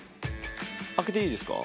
開けていいですか？